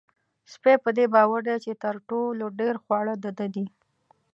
سپی په دې باور دی چې تر ټولو ډېر خواړه د ده دي.